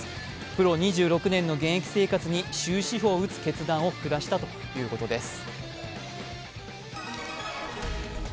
プロ２６年の現役生活に終止符を打つ決断を下したということです。